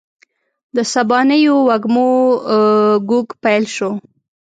د سبانیو وږمو ږوږ پیل شو